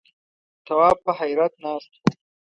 تواب په حيرت ناست و.